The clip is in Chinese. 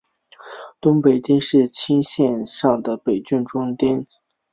东北町是青森县上北郡中部的町。